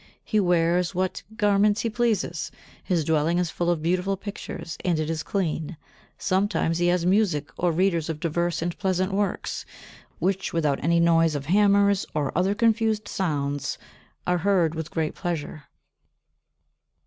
He wears what garments he pleases; his dwelling is full of beautiful pictures, and it is clean; sometimes he has music or readers of diverse and pleasant works, which, without any noise of hammers or other confused sounds, are heard with great pleasure.